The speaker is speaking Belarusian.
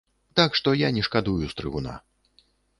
Так што я не шкадую стрыгуна.